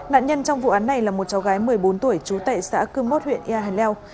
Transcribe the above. nạn nhân trong vụ án này là một cháu gái một mươi bốn tuổi chú tệ xã cương mốt huyện ia hèn leo